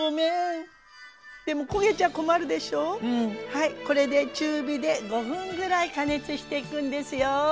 はいこれで中火で５分ぐらい加熱していくんですよ。